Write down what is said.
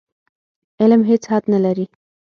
علم هېڅ حد نه لري.